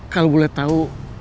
kalo boleh tau